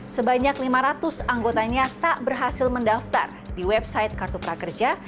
sebanyak lima ratus anggotanya tak berhasil mendaftar di website kartu prakerja